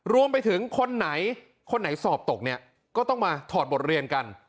รวมไปถึงคนไหนคนไหนสอบตกเนี่ยก็ต้องมาถอดบทเรียนกัน